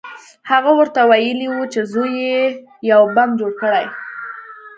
هغه ورته ویلي وو چې زوی یې یو بم جوړ کړی